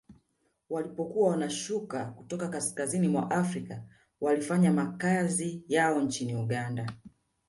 Walipokuwa wanashuka kutoka kaskazini mwa Afrika walifanya makazi yao nchini Uganda